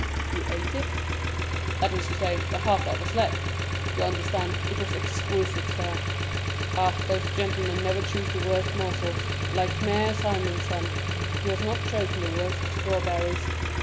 "You ate it?" "That is to say, the half that was left—you understand; it was exquisite, sir. Ah, those gentlemen never choose the worst morsels; like Mère Simon's son, who has not chosen the worst strawberries.